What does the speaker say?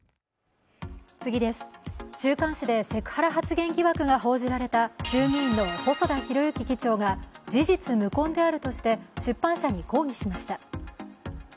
週刊誌でセクハラ発言疑惑が報じられた衆議院の細田博之議長が事実無根であるとして、出版社に抗議しました。